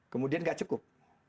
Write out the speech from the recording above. kemudian tidak cukup